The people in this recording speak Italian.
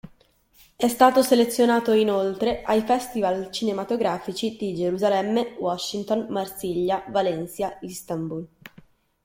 È stato selezionato inoltre ai festival cinematografici di Gerusalemme, Washington, Marsiglia, Valencia, Istanbul.